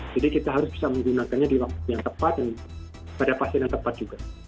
jadi kita harus bisa menggunakannya di waktu yang tepat dan pada pasien yang tepat juga